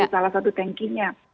salah satu tankingnya